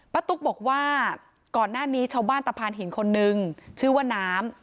ตุ๊กบอกว่าก่อนหน้านี้ชาวบ้านตะพานหินคนนึงชื่อว่าน้ำ